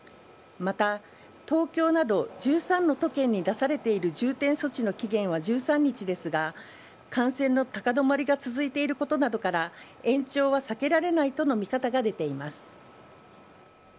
また、東京など１３の都県に出されている重点措置の期限は１３日ですが、感染の高止まりが続いていることなどから、延長は避けられないとの見方が出ています。